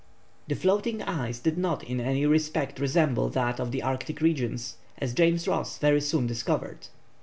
The floating ice did not in any respect resemble that of the Arctic regions, as James Ross very soon discovered.